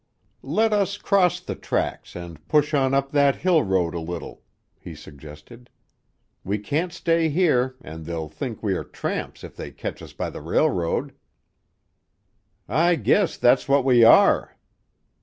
"Let us cross the tracks and push on up that hill road a little," he suggested. "We can't stay here, and they'll think we are tramps if they catch us by the railroad." "I guess that's what we are."